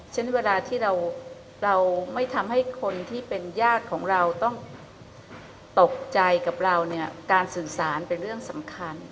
เวลาที่เราไม่ทำให้คนที่เป็นญาติของเราต้องตกใจกับเราเนี่ยการสื่อสารเป็นเรื่องสำคัญ